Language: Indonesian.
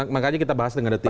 makanya kita bahas dengan detik